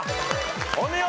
お見事！